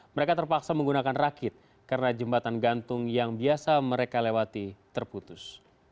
mereka terpaksa menggunakan rakit karena jembatan gantung yang biasa mereka lewati terputus